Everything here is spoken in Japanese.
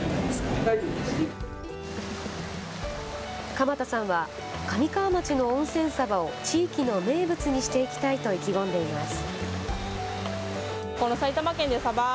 鎌田さんは神川町の温泉サバを地域の名物にしていきたいと意気込んでいます。